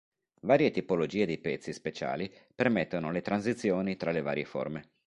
Varie tipologie di pezzi speciali permettono le transizioni tra le varie forme.